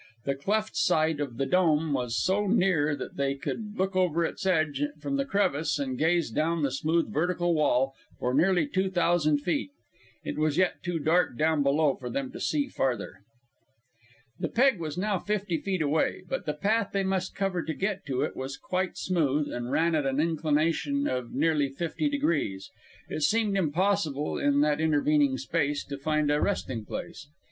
The cleft side of the Dome was so near that they could look over its edge from the crevice and gaze down the smooth, vertical wall for nearly two thousand feet. It was yet too dark down below for them to see farther. The peg was now fifty feet away, but the path they must cover to get to it was quite smooth, and ran at an inclination of nearly fifty degrees. It seemed impossible, in that intervening space, to find a resting place.